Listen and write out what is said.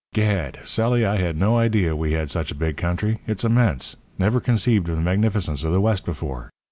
'Gad! Sully, I had no idea we had such a big country. It's immense. Never conceived of the magnificence of the West before.